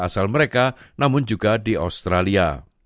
asal mereka namun juga di australia